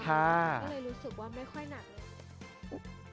ก็เลยรู้สึกว่าไม่ค่อยหนักเลย